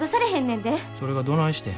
それがどないしてん。